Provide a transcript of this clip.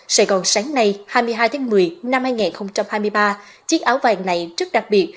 sài gòn sáng nay hai mươi hai tháng một mươi năm hai nghìn hai mươi ba chiếc áo vàng này rất đặc biệt